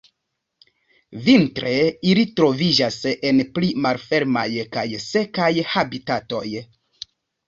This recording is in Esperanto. Vintre ili troviĝas en pli malfermaj kaj sekaj habitatoj.